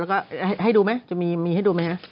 แล้วก็ให้ดูไหมจะมีให้ดูไหมฮะ